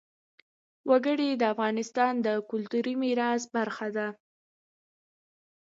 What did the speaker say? وګړي د افغانستان د کلتوري میراث برخه ده.